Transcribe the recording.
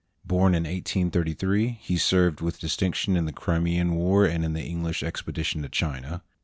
Born in 1833, he served with distinction in the Crimean War and in the English expedition to China.